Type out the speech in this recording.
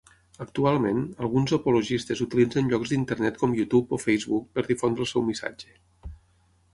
Actualment, alguns apologistes utilitzen llocs d'internet com YouTube o Facebook per difondre el seu missatge.